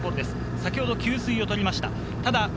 先ほど給水を取りました。